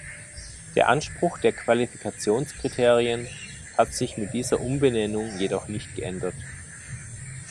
Der Anspruch der Qualifikationskriterien hat sich mit dieser Umbenennung jedoch nicht geändert.